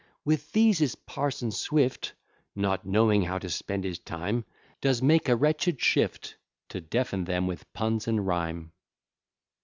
"With these is Parson Swift, Not knowing how to spend his time, Does make a wretched shift, To deafen them with puns and rhyme."